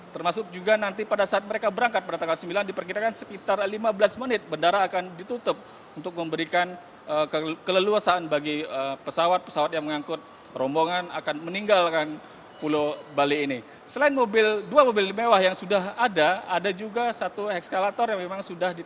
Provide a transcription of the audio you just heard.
termasuk juga nanti pada saat mereka berangkat pada tanggal sembilan diperkirakan sekitar lima belas menit bandara akan ditutup untuk memberikan keleluasan bagi pesawat pesawat yang mengangkut rombongan